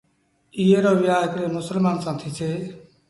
ايئي رو ويهآݩ هڪڙي مسلمآݩ سآݩ ٿيٚسيٚ۔